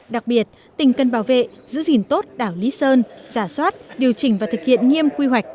đặc biệt tỉnh cần bảo vệ giữ gìn tốt đảo lý sơn giả soát điều chỉnh và thực hiện nghiêm quy hoạch